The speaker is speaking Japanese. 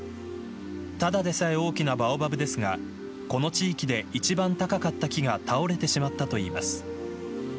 ただでさえ大きなバオバブですがこの地域で一番高かった木が倒れてしまったといいます。